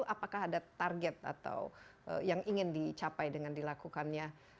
apakah ada target atau yang ingin dicapai dengan dilakukannya